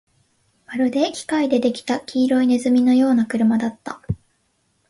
まるで機械で出来た黄色い鼠のような車だった